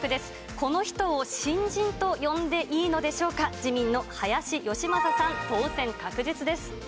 この人を新人と呼んでいいのでしょうか、自民の林芳正さん、当選確実です。